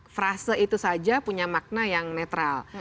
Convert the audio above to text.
frase itu saja punya makna yang netral